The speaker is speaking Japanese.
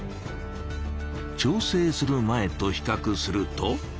調整する前とひかくすると。